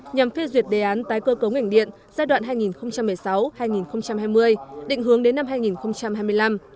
nhằm phê duyệt đề án tái cơ cấu ngành điện giai đoạn hai nghìn một mươi sáu hai nghìn hai mươi định hướng đến năm hai nghìn hai mươi năm